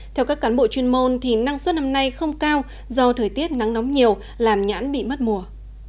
theo các cán bộ chuyên môn năng suất năm nay không cao do thời tiết nắng nóng nhiều làm nhãn bị mất mùa